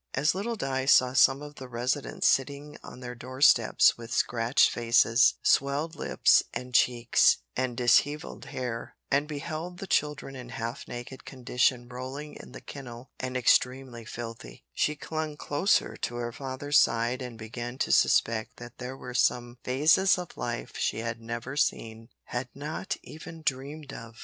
As little Di saw some of the residents sitting on their doorsteps with scratched faces, swelled lips and cheeks, and dishevelled hair, and beheld the children in half naked condition rolling in the kennel and extremely filthy, she clung closer to her father's side and began to suspect there were some phases of life she had never seen had not even dreamt of!